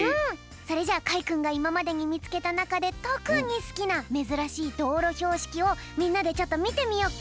それじゃあかいくんがいままでにみつけたなかでとくにすきなめずらしいどうろひょうしきをみんなでちょっとみてみよっか。